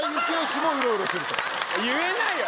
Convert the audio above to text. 言えないよ！